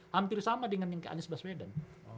hampir sama dengan yang ke anies baswedan